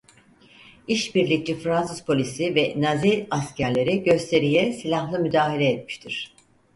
İşbirlikçi Fransız polisi ve Nazi askerleri gösteriye silahlı müdahale etmiştir.